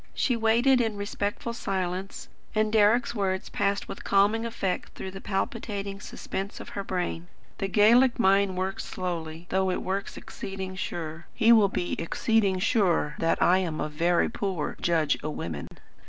She waited in respectful silence, and Deryck's words passed with calming effect through the palpitating suspense of her brain. "The Gaelic mind works slowly, though it works exceeding sure. He will be exceeding sure that I am a verra poor judge o' women."